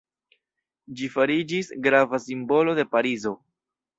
Ĝi fariĝis grava simbolo de Parizo.